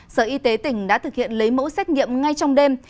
sở y tế tỉnh đã thực hiện lấy mẫu xét nghiệm ngay trong đêm